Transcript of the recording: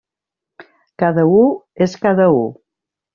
Cada u és cada u.